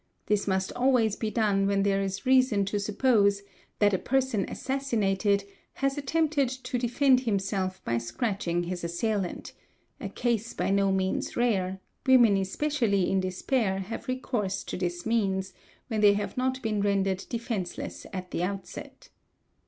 This must always be done when there is reason to suppose that a person assassinated has attempted to defend himself by scratching his assailant—a case by no means rare, women especially in despair have recourse to this means, when they have not been rendered defenceless at the outset.